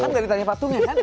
kan nggak ditanya patungnya kan